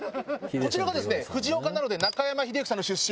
こちらがですね藤岡なので中山秀征さんの出身。